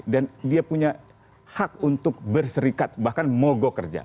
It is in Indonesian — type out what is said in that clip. dan dia punya hak untuk berserikat bahkan mogok kerja